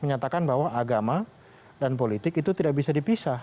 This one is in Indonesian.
menyatakan bahwa agama dan politik itu tidak bisa dipisah